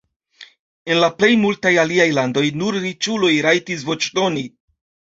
En la plej multaj aliaj landoj nur riĉuloj rajtis voĉdoni.